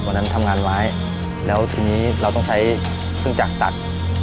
วันนั้นทำงานร้ายแล้วทีนี้เราต้องใช้เครื่องจักรตัด